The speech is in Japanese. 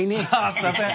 すいません！